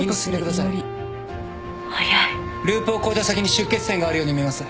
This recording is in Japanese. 早いループを越えた先に出血点があるように見えます。